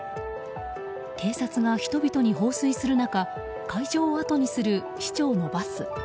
警察が人々に放水する中会場をあとにする市長のバス。